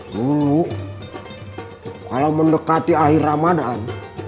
mulu kalau mendekati akhir ramadhan